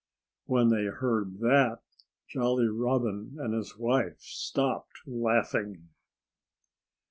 When they heard that, Jolly Robin and his wife stopped laughing.